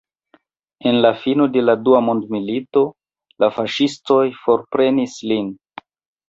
En la fino de la dua mondmilito la faŝistoj forprenis lin.